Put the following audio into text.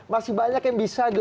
masih banyak yang bisa